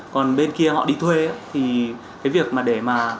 còn bên kia họ đi thuê thì cái việc mà để mà